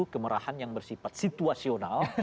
kemarahan yang bersifat situasional